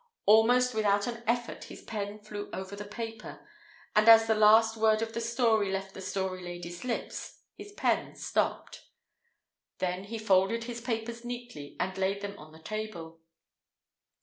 Almost without an effort his pen flew over the paper, and as the last word of the story left the Story Lady's lips his pen stopped. Then he folded his papers neatly and laid them on the table.